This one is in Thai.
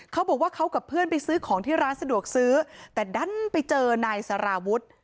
เขาบอกว่าเขากับเพื่อนไปซื้อของที่ร้านสะดวกซื้อแต่ดันไปเจอนายสารวุฒิ